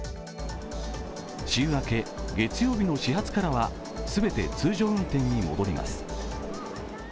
週明け月曜日の始発からは、全て通常運転に戻ります。